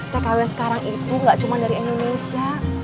tkw sekarang itu gak cuma dari indonesia